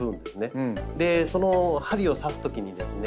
その針を刺すときにですね